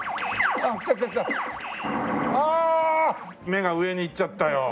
目が上にいっちゃったよ。